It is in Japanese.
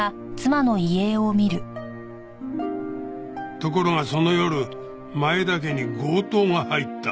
ところがその夜前田家に強盗が入った。